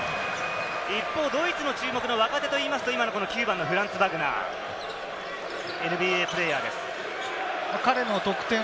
一方、ドイツの注目の若手といいますと、今の９番のフランツ・バグナーです。